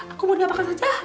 aku mau diapakan saja